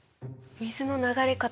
水の流れ方。